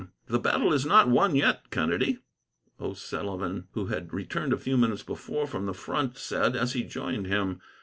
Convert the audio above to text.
"The battle is not won yet, Kennedy," O'Sullivan, who had returned a few minutes before from the front, said, as he joined him.